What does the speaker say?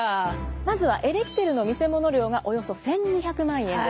まずはエレキテルの見せもの料がおよそ１，２００万円です。